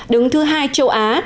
đứng thứ hai châu á